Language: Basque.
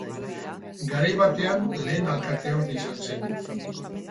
Garai berean lehen alkateorde izan zen.